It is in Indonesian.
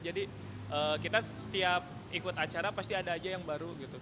jadi kita setiap ikut acara pasti ada aja yang baru gitu